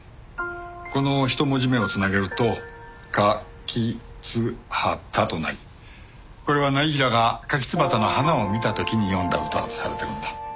この１文字目を繋げると「かきつはた」となりこれは業平がカキツバタの花を見た時に詠んだ歌だとされてるんだ。